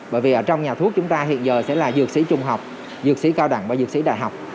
bởi vì ở trong nhà thuốc chúng ta hiện giờ sẽ là dược sĩ trung học dược sĩ cao đẳng và dược sĩ đại học